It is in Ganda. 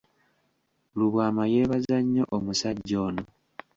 Lubwama yeebaza nnyo omusajja ono.